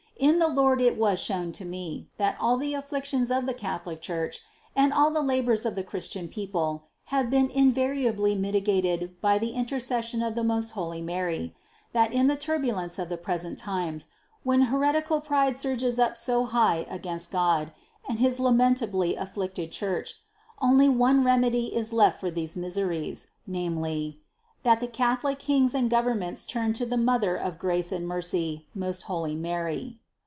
In the Lord it was shown me, that all the afflictions of the Catholic Church and all the labors of the Christian peo ple, have been invariably mitigated by the intercession of the most holy Mary; that in the turbulence of the present times, when heretical pride surges up so high against God and his lamentably afflicted Church, only THE CONCEPTION 245 one remedy is left for these miseries, namely: That the Catholic kings and governments turn to the Mother of grace and mercy, most holy Mary.